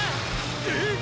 えっ！？